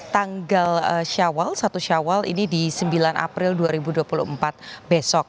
tanggal syawal satu syawal ini di sembilan april dua ribu dua puluh empat besok